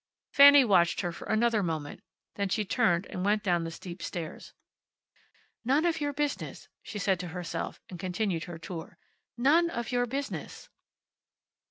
Fanny watched her for another moment. Then she turned and went down the steep stairs. "None of your business," she said to herself, and continued her tour. "None of your business."